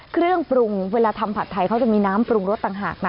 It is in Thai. เครื่องปรุงเวลาทำผัดไทยเขาจะมีน้ำปรุงรสต่างหากนะ